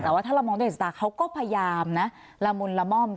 แต่ถ้าเรามองด้วยจังหนูก็พยายามละมุมละมอ่อม